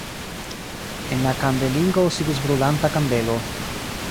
En la kandelingo sidis brulanta kandelo.